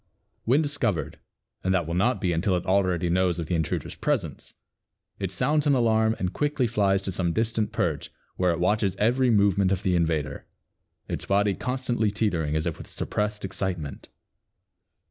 When discovered and that will not be until it already knows of the intruder's presence, it sounds an alarm and quickly flies to some distant perch where it watches every movement of the invader, its body constantly teetering as if with suppressed excitement.